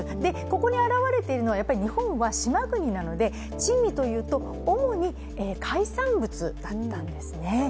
ここに表れているのは、日本は島国なので珍味というと主に海産物だったんですね。